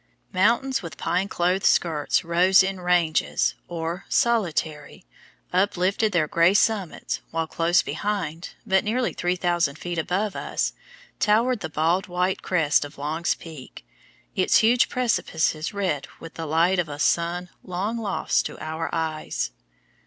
Mountains with pine clothed skirts rose in ranges, or, solitary, uplifted their grey summits, while close behind, but nearly 3,000 feet above us, towered the bald white crest of Long's Peak, its huge precipices red with the light of a sun long lost to our eyes.